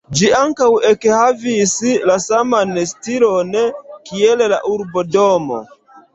Ĝi ankaŭ ekhavis la saman stilon kiel la urbodomo.